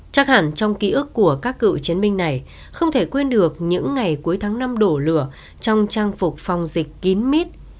chắc hẳn trong ký ức của các cựu chiến binh này không thể quên được những ngày cuối tháng năm đổ lửa trong trang phục phòng dịch kín mít